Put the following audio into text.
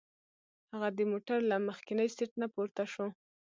هغه د موټر له مخکیني سیټ نه پورته شو.